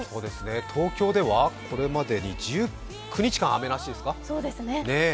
東京ではこれまでに１９日間、雨なしですか。